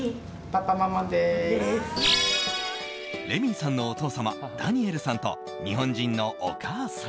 レミイさんのお父様ダニエルさんと日本人のお母様。